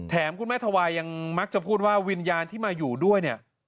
คุณแม่ธวายยังมักจะพูดว่าวิญญาณที่มาอยู่ด้วยเนี่ย